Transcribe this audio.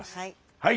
はい！